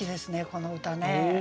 この歌ね。